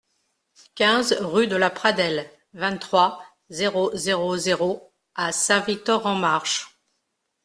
quinze rue de La Pradelle, vingt-trois, zéro zéro zéro à Saint-Victor-en-Marche